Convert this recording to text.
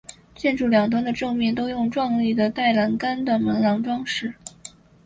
建筑两端的正面都用壮丽的带栏杆的门廊装饰。